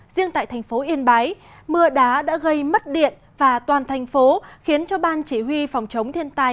riêng tại thành phố yên bái mưa đá đã gây mất điện và toàn thành phố khiến cho ban chỉ huy phòng chống thiên tai